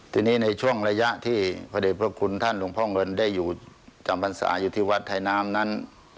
ทีนี้ในช่วงระยะที่พระเด็จพระคุณท่านหลวงพ่อเงินได้อยู่จำพรรษาอยู่ที่วัดไทยน้ำนั้น